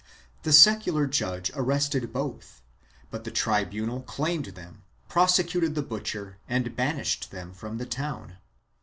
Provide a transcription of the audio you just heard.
The secular judge arrested both, but the tribunal claimed them, prosecuted the butcher and banished him from the town.